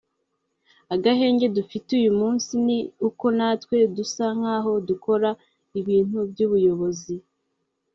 Agahenge dufite uyu munsi ni uko natwe dusa nk’aho dukora ibintu by’ubuyobozi